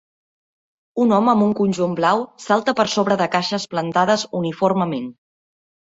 Un home amb un conjunt blau salta per sobre de caixes plantades uniformement.